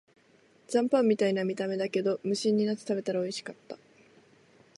残飯みたいな見た目だけど、無心になって食べたらおいしかった